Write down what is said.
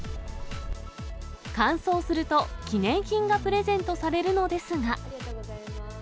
完走すると、記念品がプレゼントされるのですが。